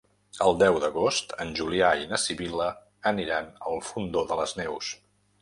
El deu d'agost en Julià i na Sibil·la aniran al Fondó de les Neus.